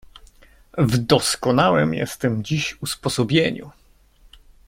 "W doskonałem jestem dziś usposobieniu!"